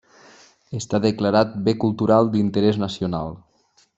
Està declarat Bé Cultural d'Interès Nacional.